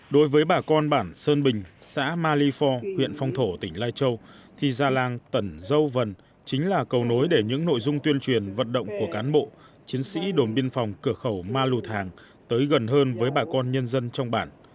đối với bà con bản sơn bình xã malifor huyện phong thổ tỉnh lai châu thì gia lan tẩn dâu vân chính là cầu nối để những nội dung tuyên truyền vận động của cán bộ chiến sĩ đồn biên phòng cửa khẩu ma lù thàng tới gần hơn với bà con nhân dân trong bản